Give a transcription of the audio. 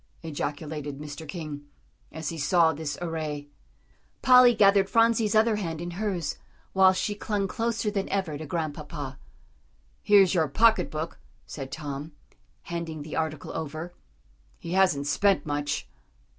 ejaculated Mr. King, as he saw this array. Polly gathered Phronsie's other hand in hers, while she clung closer than ever to Grandpapa. "Here's your pocket book," said Tom, handing the article over; "he hasn't spent much."